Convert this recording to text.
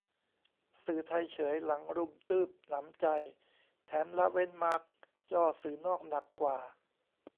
สื่อไทยเฉยหลังรุมตื้บหนำใจ แถมละเว้นมาร์คจ้อสื่อนอกหนักกว่า